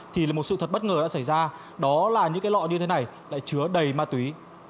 thì là một sự thật bất ngờ đã xảy ra đó là những cái lọ như thế này lại chứa đầy ma túy